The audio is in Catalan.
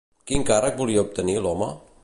Quin càrrec volia obtenir l'home?